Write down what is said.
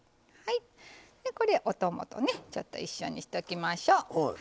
これお供とねちょっと一緒にしときましょう。